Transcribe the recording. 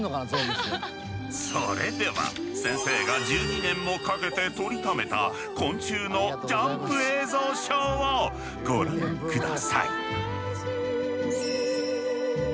それでは先生が１２年もかけて撮りためた昆虫のジャンプ映像ショーをご覧ください。